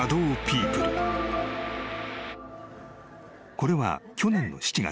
［これは去年の７月］